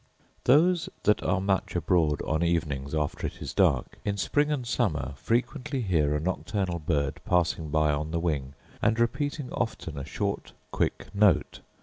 Those that are much abroad on evenings after it is dark, in spring and summer, frequently hear a nocturnal bird passing by on the wing, and repeating often a short quick note.